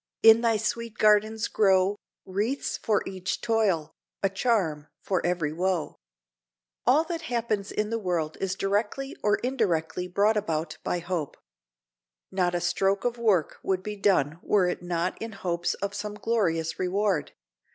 in thy sweet gardens grow Wreaths for each toil, a charm for every woe." All that happens in the world is directly or indirectly brought about by hope. Not a stroke of work would be done were it not in hopes of some glorious reward.